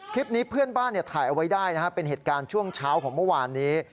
คลิปนี้เพื่อนบ้านถ่ายเอาไว้ได้นะครับเป็นเหตุการณ์ช่วงเช้าของเมื่อวานนี้